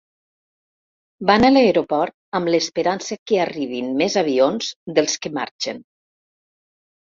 Van a l'aeroport amb l'esperança que arribin més avions dels que marxen.